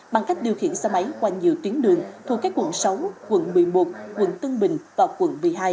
bằng cách điều khiển xe máy qua nhiều tuyến đường thuộc các quận sáu quận một mươi một quận tân bình và quận một mươi hai